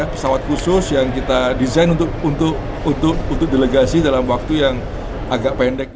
pesawat khusus yang kita desain untuk delegasi dalam waktu yang agak pendek